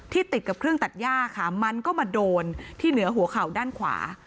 ติดกับเครื่องตัดย่าค่ะมันก็มาโดนที่เหนือหัวเข่าด้านขวา